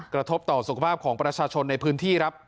กระทบต่อสุขภาพของประชาชนในพื้นที่ครับ